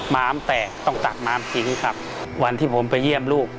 ม้ามแตกต้องตักน้ำทิ้งครับวันที่ผมไปเยี่ยมลูก